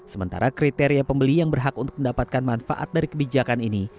sementara kriteria pembeli yang berhak untuk mendapatkan manfaat dari kebijakan ini